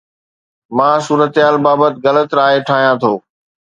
مان صورتحال بابت غلط راء ٺاهيان ٿو